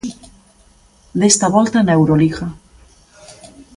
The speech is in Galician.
Desta volta na Euroliga.